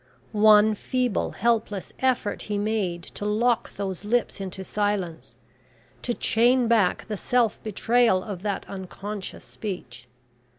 One feeble helpless effort he made to lock those lips into silence, to chain back the self betrayal of that unconscious speech.